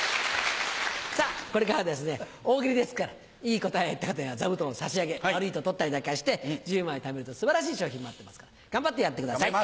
さぁこれから大喜利ですからいい答えを言った方には座布団を差し上げ悪いと取ったりなんかして１０枚ためると素晴らしい賞品待ってますから頑張ってやってください。